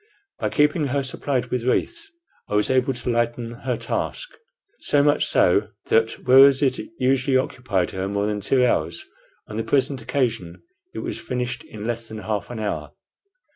By keeping her supplied with wreaths I was able to lighten her task, so much so that, whereas it usually occupied her more than two hours, on the present occasion it was finished in less than half an hour.